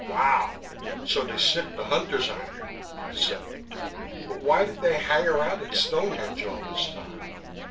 "Wow! So they sicced the Hunters on you!" I said. "But why did they hang around at Stonehenge all this time?"